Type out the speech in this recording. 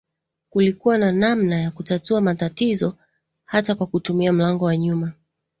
Kulikuwa na namna ya kutatua matatizo hata kwa kutumia mlango wa nyuma